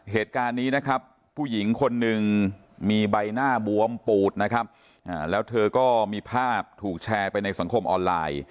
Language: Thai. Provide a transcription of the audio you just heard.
เหตุการณ์นี้นะครับผู้หญิงคนหนึ่งมีใบหน้าบวมปูดนะครับแล้วเธอก็มีภาพถูกแชร์ไปในสังคมออนไลน์